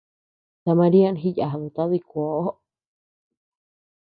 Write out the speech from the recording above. Ta María jiyaduta dikuoʼo.